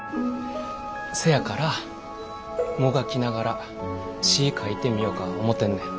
せやからもがきながら詩ぃ書いてみよか思てんねん。